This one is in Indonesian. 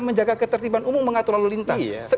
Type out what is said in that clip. menjaga ketertiban umum mengatur lalu lintas